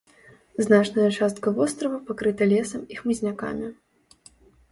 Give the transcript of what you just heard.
Значная частка вострава пакрыта лесам і хмызнякамі.